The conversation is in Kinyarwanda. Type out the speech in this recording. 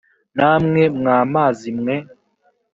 namwe mwa mazi mwe